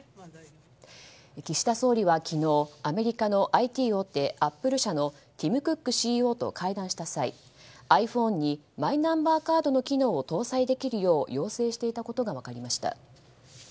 岸田総理は昨日アメリカのＩＴ大手アップル社のティム・クックＣＥＯと会談した際ｉＰｈｏｎｅにマイナンバーカードの機能を搭載できるよう要請していたことが分かりました。